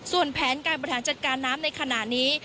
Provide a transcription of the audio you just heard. ส่วนแผนการบริหารจัดการน้ำในขณะนี้